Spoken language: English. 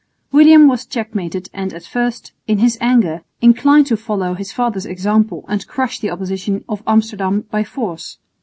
William was checkmated and at first, in his anger, inclined to follow his father's example and crush the opposition of Amsterdam by force.